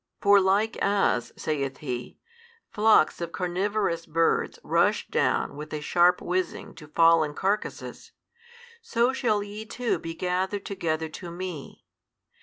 For like as, saith He, flocks of carnivorous birds rush down with a sharp whizzing to fallen carcases, so shall ye too be gathered together to Me.